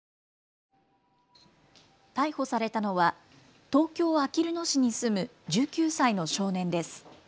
逮捕されたのは東京あきる野市に住む１９歳の少年です。